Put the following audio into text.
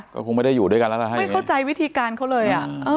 ก็คงไม่ได้อยู่ด้วยกันแล้วล่ะฮะไม่เข้าใจวิธีการเขาเลยอ่ะ